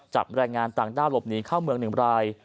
แรงงานต่างด้าวหลบหนีเข้าเมือง๑ราย